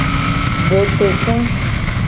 Botokoe.